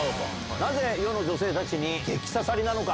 なぜ世の女性たちに、激刺さりなのか。